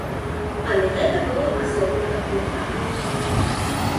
Але гэта было асобна ад гурта.